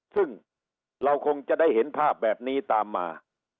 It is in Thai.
ซึ่งเราคงจะได้เห็นภาพแบบนี้ตามมา